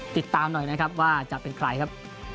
ติดตามหน่อยนะครับว่าจะเป็นใครครับ